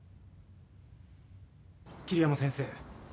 桐山先生